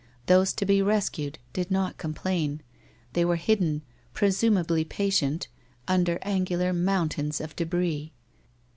Those to be rescued did not complain. They were hidden, presuma bly patient, under angular mountains of debris.